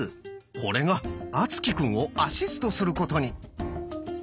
これが敦貴くんをアシストすることに。